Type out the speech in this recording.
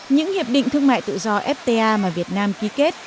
những hiệp định thương mại tự do fta mà việt nam ký kết